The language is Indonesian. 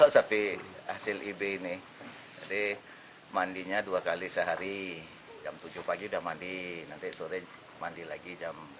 sapi hasil ib ini jadi mandinya dua kali sehari jam tujuh pagi udah mandi nanti sore mandi lagi jam